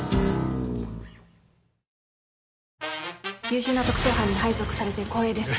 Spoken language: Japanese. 優秀な特捜班に配属されて光栄です。